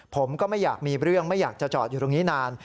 ผมก็ไม่อยากมีเรื่องไม่อยากจะจอดอยู่ตรงนี้นาน